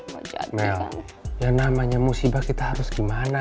mel yang namanya musibah kita harus gimana